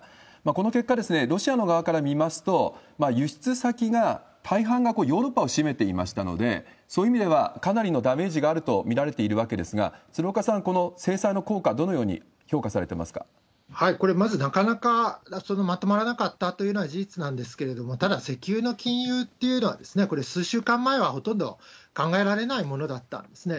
この結果、ロシアの側から見ますと、輸出先が、大半がヨーロッパを占めていましたので、そういう意味では、かなりのダメージがあると見られているわけですが、鶴岡さん、この制裁の効果、これ、まずなかなかまとまらなかったというのは事実なんですけれども、ただ、石油の禁輸っていうのは、これ、数週間前はほとんど考えられないものだったんですね。